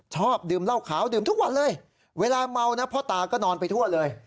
ชอบดื่มเหล้าขาวดื่มทุกวันเลยเวลาเมานะพ่อตาก็นอนไปทั่วเลย